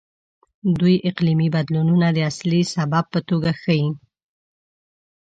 دوی اقلیمي بدلونونه د اصلي سبب په توګه ښيي.